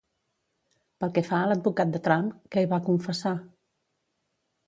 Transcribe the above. Pel que fa a l'advocat de Trump, què va confessar?